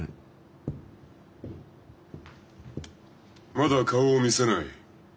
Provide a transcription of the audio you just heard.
まだ顔を見せない？